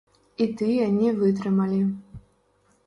І тыя не вытрымалі.